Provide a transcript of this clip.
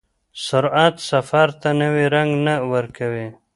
سرعت سفر ته نوی رنګ نه ورکوي.